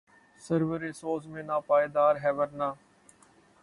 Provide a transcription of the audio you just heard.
سرور و سوز میں ناپائیدار ہے ورنہ